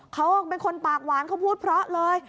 เขาเป็นคนปากหวานเขาพูดเพราะเลย